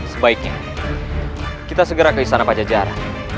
sebaiknya kita segera ke istana pajajaran